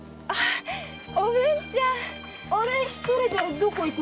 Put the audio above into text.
おぶんちゃん！あれ一人でどこへ？